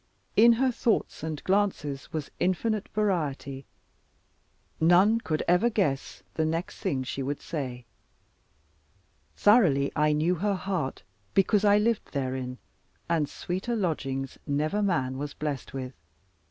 In her thoughts and glances was infinite variety. None could ever guess the next thing she would say. Thoroughly I knew her heart, because I lived therein, and sweeter lodgings never man was blessed with.